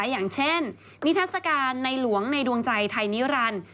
อย่างเช่นนิทัศกาลในหลวงในดวงใจไทยนิรันดิ์